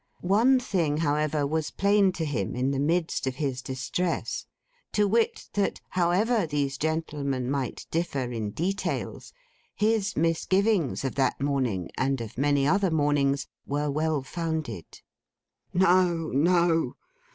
One thing, however, was plain to him, in the midst of his distress; to wit, that however these gentlemen might differ in details, his misgivings of that morning, and of many other mornings, were well founded. 'No, no.